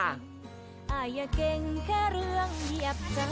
อย่าเก่งแค่เรื่องเหยียบเจอ